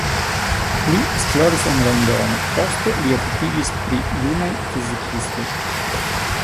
Li esploris en Londono, poste li okupiĝis pri junaj fizikistoj.